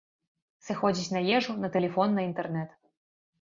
Сыходзіць на ежу, на тэлефон, на інтэрнэт.